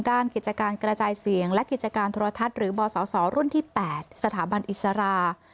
กิจการกระจายเสียงและกิจการโทรทัศน์หรือบศรุ่นที่๘สถาบันอิสรา